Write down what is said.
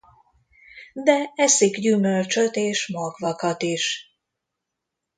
De eszik gyümölcsöt és magvakat is.